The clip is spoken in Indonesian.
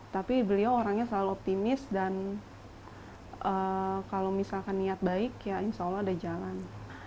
tapi beliau orangnya selalu optimis dan kalau misalkan niat baik ya insya allah ada jalan